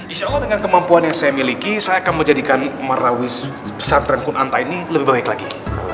insya allah dengan kemampuan yang saya miliki saya akan menjadikan marawi pesantren kunanta ini lebih baik lagi